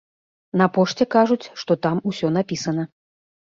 На пошце кажуць, што там усё напісана.